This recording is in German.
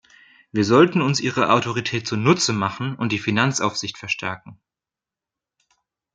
Wir sollten uns ihre Autorität zunutze machen und die Finanzaufsicht verstärken.